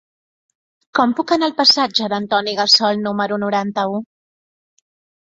Com puc anar al passatge d'Antoni Gassol número noranta-u?